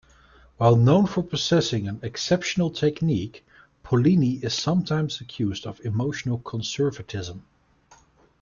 While known for possessing an exceptional technique, Pollini is sometimes accused of emotional conservatism.